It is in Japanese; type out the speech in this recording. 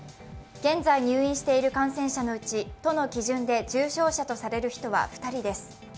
現在入院している感染者のうち都の基準で重症者とされる人は２人です。